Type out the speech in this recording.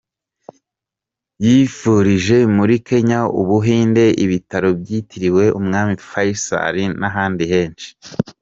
Yivurije muri Kenya, Ubuhinde, Ibitaro byitiriwe umwami Fayisali n'ahandi henshi.